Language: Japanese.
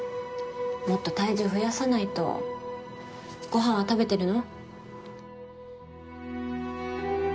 もっと体重増やさないと、ごはんは食べてるの？